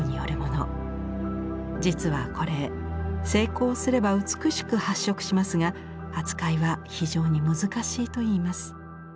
実はこれ成功すれば美しく発色しますが扱いは非常に難しいといいます。